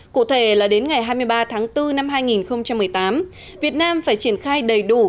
cụ thể là đến ngày hai mươi ba tháng bốn năm hai nghìn một mươi tám việt nam phải triển khai đầy đủ